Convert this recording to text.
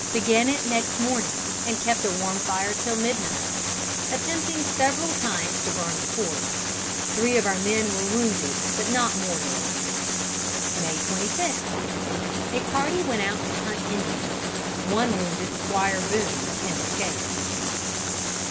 Began it next morning, and kept a warm fire till midnight. Attempting several times to burn the fort. Three of our men were wounded, but not mortally. "May 26th. A party went out to hunt Indians. One wounded Squire Boone, and escaped."